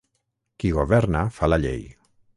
Qui governa fa la llei.